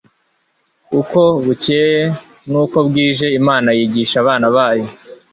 Uko bukcye n'uko bwije Imana yigisha abana ba yo.